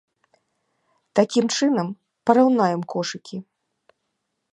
Такім чынам, параўнаем кошыкі.